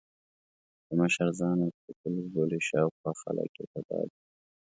چې مشر ځان عقل کُل وبولي، شا او خوا خلګ يې تباه دي.